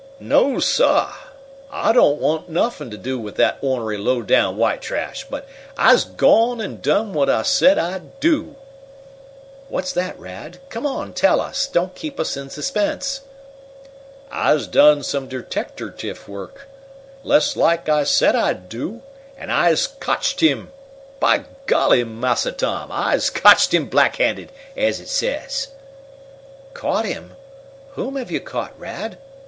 "No, sah! I don't want nuffin t' do wif dat ornery, low down white trash! But I's gone an' done whut I said I'd do!" "What's that, Rad? Come on, tell us! Don't keep us in suspense." "I's done some deteckertiff wuk, lest laik I said I'd do, an' I's cotched him! By golly, Massa Tom! I's cotched him black handed, as it says!" "Caught him? Whom have you caught, Rad?"